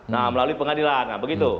nah melalui pengadilan nah begitu